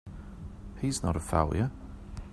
He's not a failure!